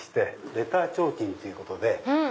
レター提灯ということで。